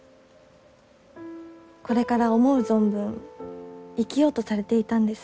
これから思う存分生きようとされていたんです。